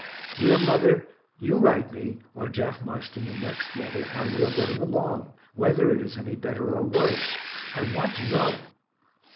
Dear mother, you write me, or Jeff must in the next letter, how you are getting along, whether it is any better or worse I want to know.